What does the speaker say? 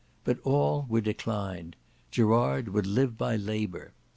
But all were declined; Gerard would live by labour.